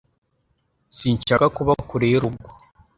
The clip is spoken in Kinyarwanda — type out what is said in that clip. Sinshaka kuba kure y'urugo.